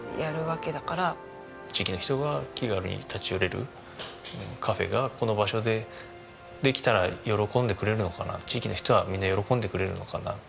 地域の人が気軽に立ち寄れるカフェがこの場所でできたら喜んでくれるのかな地域の人はみんな喜んでくれるのかな。